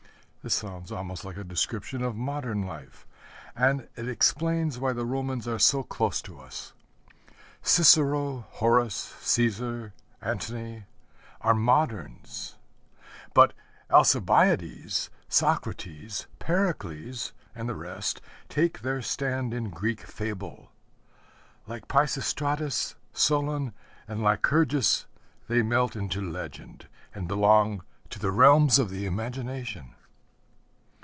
This sounds almost like a description of modern life; and it explains why the Romans are so close to us. Cicero, Horace, Cæsar, Antony, are moderns. But Alcibiades, Socrates, Pericles, and the rest take their stand in Greek fable. Like Pisistratus, Solon, and Lycurgus, they melt into legend and belong to the realms of the imagination.